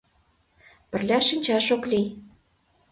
Пырля шинчаш ок лий.